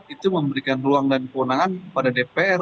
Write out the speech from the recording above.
itu memberikan ruang dan kewenangan pada dpr